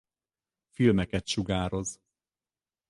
Filmeket sugároz.